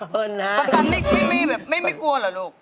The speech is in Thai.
ประกันนี่ไม่กลัวเหรอลูก